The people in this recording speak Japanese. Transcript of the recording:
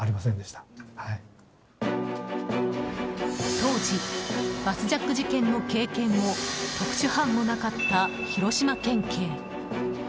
当時バスジャック事件の経験も特殊班もなかった広島県警。